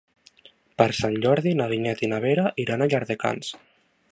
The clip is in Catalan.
Per Sant Jordi na Vinyet i na Vera iran a Llardecans.